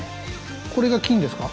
これが金ですか？